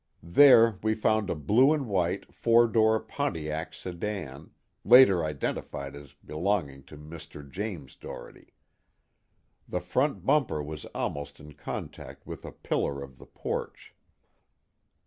There we found a blue and white four door Pontiac sedan, later identified as belonging to Mr. James Doherty. The front bumper was almost in contact with a pillar of the porch.